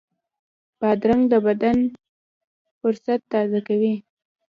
بادرنګ د بدن فُرصت تازه کوي.